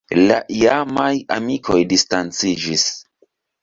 La iamaj amikoj distanciĝis.